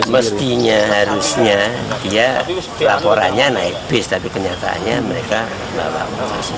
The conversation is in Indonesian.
mestinya harusnya dia laporannya naik bis tapi kenyataannya mereka bawa